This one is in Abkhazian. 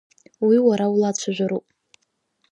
Уи уара улацәажәароуп.